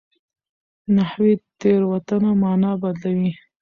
نحوي تېروتنه مانا بدلوي.